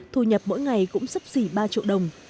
thu nhập mỗi ngày cũng sắp xỉ ba triệu đồng